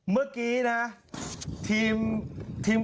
เมื่อกี้นะทีมทีมข่าวถึงกับใส่ซับไตเตอร์ไม่ได้